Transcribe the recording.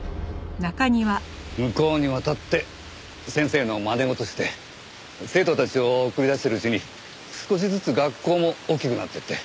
向こうに渡って先生のまね事して生徒たちを送り出しているうちに少しずつ学校も大きくなってって。